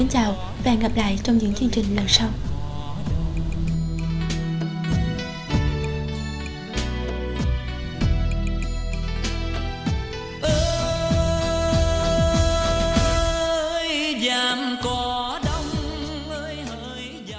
chương trình lần sau